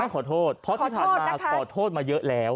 ขอโทษเพราะที่ผ่านมาขอโทษมาเยอะแล้ว